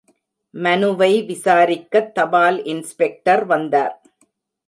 மனுவை விசாரிக்கத் தபால் இன்ஸ்பெக்டர் வந்தார்.